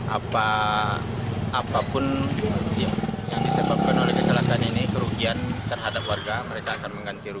apa pun yang diselenggarakan